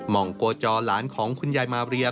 องโกจอหลานของคุณยายมาเรีย